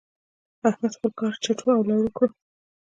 احمد خپل کار چټو او لړو کړ.